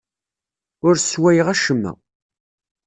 Ur sswayeɣ acemma.